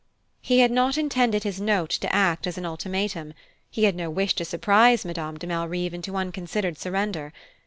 He had not intended his note to act as an ultimatum: he had no wish to surprise Madame de Malrive into unconsidered surrender.